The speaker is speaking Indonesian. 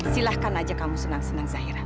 silahkan aja kamu senang senang zahira